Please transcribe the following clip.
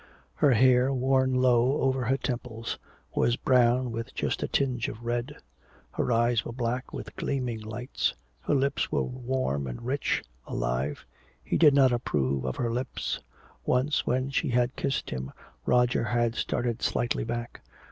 Her hair, worn low over her temples, was brown with just a tinge of red. Her eyes were black, with gleaming lights; her lips were warm and rich, alive. He did not approve of her lips. Once when she had kissed him Roger had started slightly back.